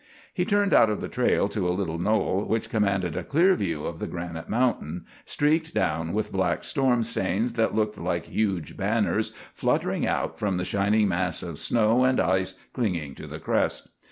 He turned out of the trail to a little knoll which commanded a clear view of the granite mountain, streaked down with black storm stains that looked like huge banners fluttering out from the shining mass of snow and ice clinging to the crest.